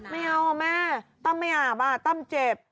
ไม่เอาแม่ตั้มไม่อาบอ่ะตั้มเจ็บ